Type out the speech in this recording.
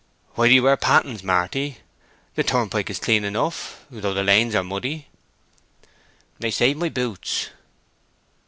"Why do you wear pattens, Marty? The turnpike is clean enough, although the lanes are muddy." "They save my boots."